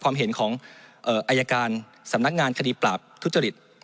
ความเห็นของอายการสำนักงานคดีปราบทุจริต